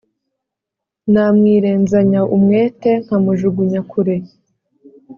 Namwirenzanya umwete nkamujugunya kure